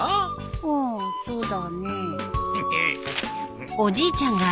うんそうだね。